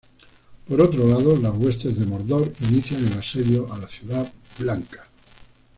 Por otro lado, las huestes de Mordor inician el asedio a la ciudad blanca.